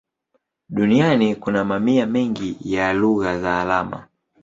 Duniani kuna mamia mengi ya lugha za alama.